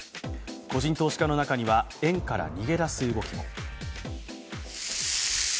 個人投資家の中には円から逃げ出す動きが。